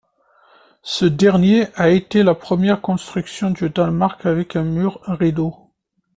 Ce dernier a été la première construction du Danemark avec un mur-rideau.